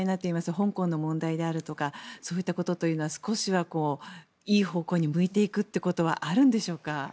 香港の問題やそういったことは少しはいい方向に向いていくということはあるんでしょうか。